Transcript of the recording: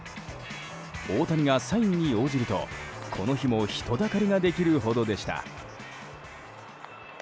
大谷がサインに応じるとこの日も人だかりができるほどでした。